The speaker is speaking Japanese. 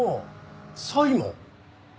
サイモン？